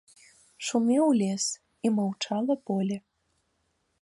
Шумеў лес, і маўчала поле.